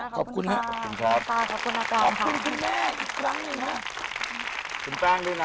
ขอบคุณค่ะ